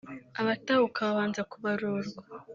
Abatahuka babanza kubarurwa